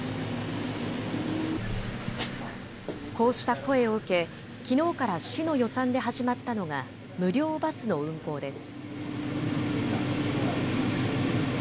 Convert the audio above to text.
こうした声を受け、きのうから市の予算で始まったのが無料バスの運行です。